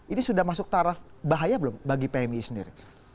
ini sudah masuk taraf bahaya belum bagi pmi sendiri